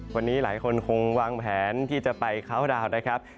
วันนี้หลายคนคงวางแผนที่จะไปเคาน์ดาวน์นะครับ